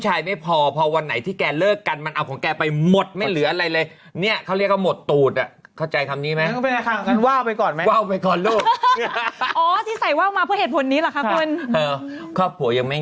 อย่างพวกเรานกไม่สวยไง